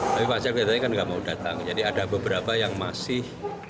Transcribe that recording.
tapi pak sel kejadiannya kan tidak mau datang jadi ada beberapa yang masih